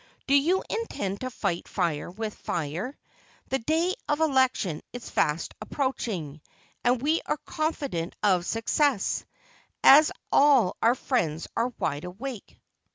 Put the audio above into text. Do you intend to fight fire with fire? The day of election is fast approaching, and we are confident of success, as all our friends are wide awake.